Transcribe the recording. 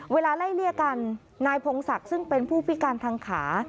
เวลาไล่เลี่ยกันนายพงศักดิ์ซึ่งเป็นผู้พิการทางขา